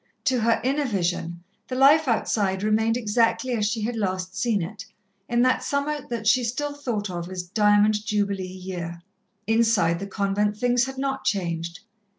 To her inner vision, the life outside remained exactly as she had last seen it, in that summer that she still thought of as "Diamond Jubilee year." Inside the convent, things had not changed.